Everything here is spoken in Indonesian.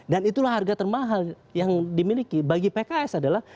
dan itulah harga termahal yang dimiliki bagi pks adalah